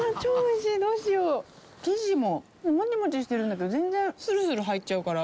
生地も、もちもちしているんだけど全然するする入っちゃうから。